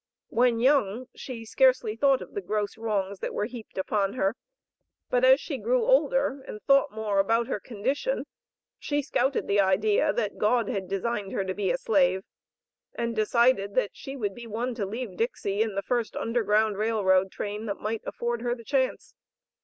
When young she scarcely thought of the gross wrongs that were heaped upon her; but as she grew older, and thought more about her condition, she scouted the idea that God had designed her to be a slave, and decided that she would be one to leave Dixey in the first Underground Rail Road train that might afford her the chance.